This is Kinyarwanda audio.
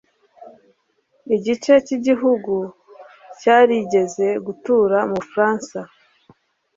Igice cyigihugu cyarigeze gutura mubufaransa.